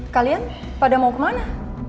kalian pada mau kemana